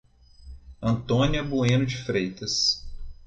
Antônia Bueno de Freitas